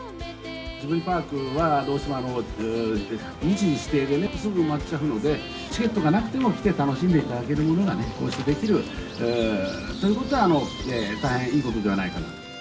ジブリパークは、どうしても日時指定でね、すぐ埋まっちゃうので、チケットがなくても来て楽しんでいただけるものがね、こうしてできるということは、大変いいことではないかと。